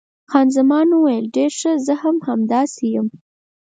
خان زمان وویل، ډېر ښه، زه هم همداسې یم.